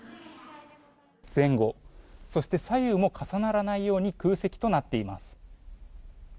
前後、そして左右も重ならないように空席となっています。